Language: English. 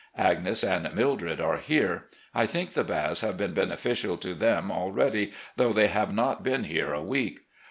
Agnes and Mildred are here. I think the baths have been beneficial to them already, though they have not been here a week.